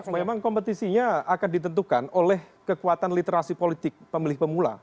memang kompetisinya akan ditentukan oleh kekuatan literasi politik pemilih pemula